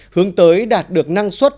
hướng tới đạt được năng suất